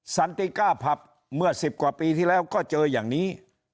สันติก้าผับเมื่อ๑๐กว่าปีที่แล้วก็เจออย่างนี้